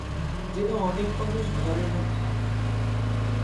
যেন অনেক মানুষ ঘরের মধ্যে আটক।